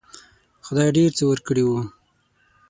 خدای ډېر څه ورکړي وو.